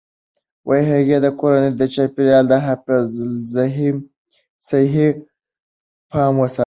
هغې د کورني چاپیریال د حفظ الصحې پام ساتي.